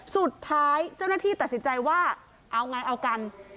สุดท้ายเจ้าหน้าที่ตัดสินใจว่าเอาไงเอากัน